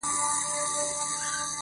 غر که لوړ دئ، پر سر ئې لار ده.